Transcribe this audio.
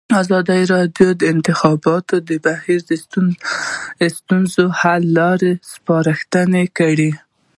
ازادي راډیو د د انتخاباتو بهیر د ستونزو حل لارې سپارښتنې کړي.